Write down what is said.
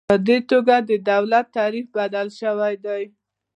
په دې توګه د دولت تعریف بدل شوی دی.